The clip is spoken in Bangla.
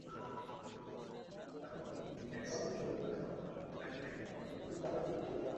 তাঁদের অভীষ্ট ছিল ন্যায়বিচার অন্বেষণ—তাঁদের অধরা আশা ছিল একদিন ন্যায়বিচার পাওয়া যাবে।